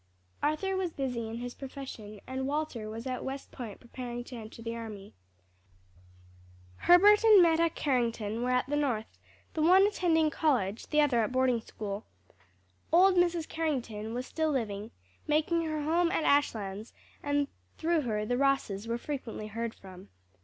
Arthur was busy in his profession, and Walter was at West Point preparing to enter the army. Herbert and Meta Carrington were at the North; the one attending college, the other at boarding school. Old Mrs. Carrington was still living; making her home at Ashlands; and through her, the Rosses were frequently heard from.